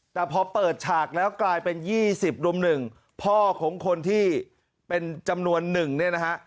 แต่พอเปิดฉากแล้วกลายเป็น๒๐รุม๑พ่อของคนที่เป็นจำนวนหนึ่งเนี่ยนะฮะ